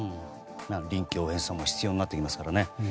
臨機応変さも必要になってきますからね。